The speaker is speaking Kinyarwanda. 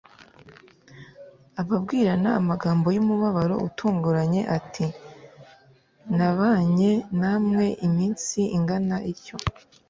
ababwirana amagambo y'umubabaro utunguranye ati: "Nabanye namwe iminsi ingana ityo